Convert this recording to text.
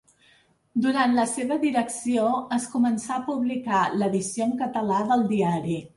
Durant la seva direcció, es començà a publicar l'edició en català del diari.